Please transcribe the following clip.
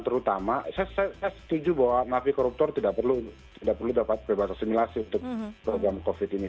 terutama saya setuju bahwa nafi koruptor tidak perlu dapat bebas asimilasi untuk program covid ini